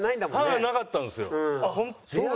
なかったんですよ